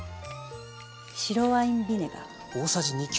白ワインビネガー。